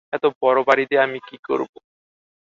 এত বড় বাড়ি দিয়ে আমি করব কী?